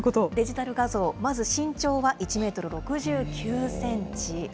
デジタル画像、まず身長は１メートル６９センチ。